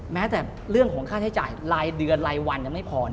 แม้แต่เรื่องของค่าใช้จ่ายรายเดือนรายวันยังไม่พอ